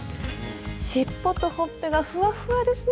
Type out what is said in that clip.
尻尾とほっぺがフワフワですね！